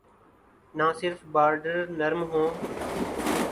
نہ صرف بارڈر نرم ہوں۔